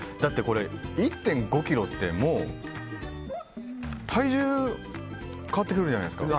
だって１．５ｋｇって体重変わってくるじゃないですか